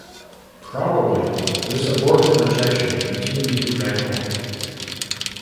Probably this aborted rejection continued to rankle.